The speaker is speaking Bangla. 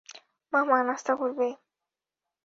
মামা, নাস্তা করবে?